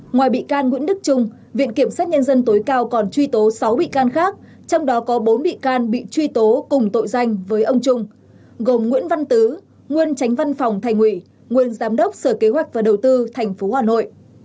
ngoài bị can nguyễn đức trung viện kiểm sát nhân dân tối cao còn truy tố sáu bị can khác trong đó có bốn bị can bị truy tố cùng tội danh với ông trung gồm nguyễn văn tứ nguyên tránh văn phòng thành ủy nguyên giám đốc sở kế hoạch và đầu tư tp hà nội